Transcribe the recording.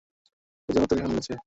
এজন্যই তো এখনও আছে।